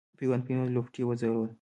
پیوند پیوند لوپټې وځلوه